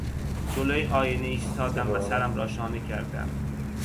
جلو آینه ایستادم و سرم را شانه کردم.